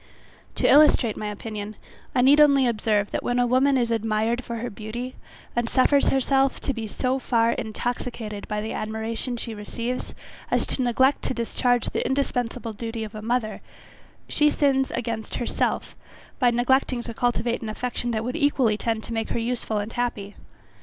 To illustrate my opinion, I need only observe, that when a woman is admired for her beauty, and suffers herself to be so far intoxicated by the admiration she receives, as to neglect to discharge the indispensable duty of a mother, she sins against herself by neglecting to cultivate an affection that would equally tend to make her useful and happy.